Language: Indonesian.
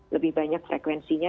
lebih banyak frekuensinya